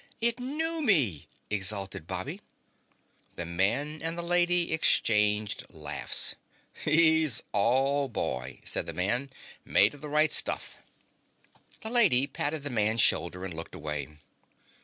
"It knew me!" exulted Bobby. The man and the lady exchanged laughs. "He's all boy," said the man. "Made of the right stuff." The lady patted the man's shoulder and looked away.